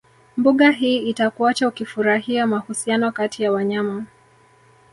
Mbuga hii itakuacha ukifurahia mahusiano kati ya wanyama